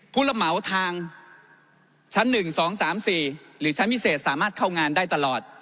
ผู้ระเหมาทางชั้น๑๒๓๔หรือชั้นพิเศษสามารถเข้างานได้ตลอด